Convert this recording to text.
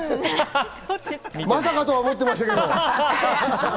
まさかとは思ってましたけど。